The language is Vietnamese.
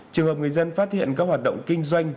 trường hợp người dân phát hiện các hoạt động kinh doanh